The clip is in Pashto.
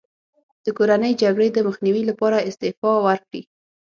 د کورنۍ جګړې د مخنیوي لپاره استعفا وکړي.